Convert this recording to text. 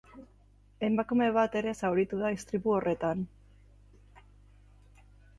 Emakume bat ere zauritu da istripu horretan.